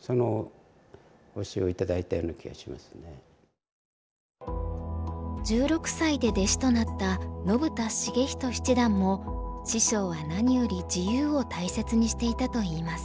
ほとんど１６歳で弟子となった信田成仁七段も師匠は何より自由を大切にしていたといいます。